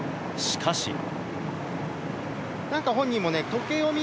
しかし。